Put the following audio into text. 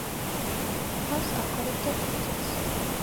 თავს აფარებდა თურქეთს.